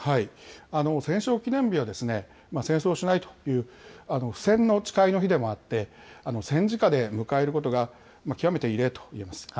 戦勝記念日は、戦争をしないという不戦の誓いの日であって、戦時下で迎えることが極めて異例と言えます。